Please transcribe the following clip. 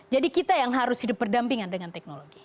jadi kita yang harus hidup berdampingan dengan teknologi